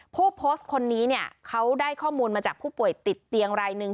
ผู้โพสต์คนนี้เนี่ยเขาได้ข้อมูลมาจากผู้ป่วยติดเตียงรายหนึ่ง